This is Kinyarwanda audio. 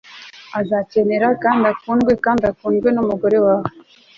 uzakenera kandi ukundwe kandi ukundwe numugore wawe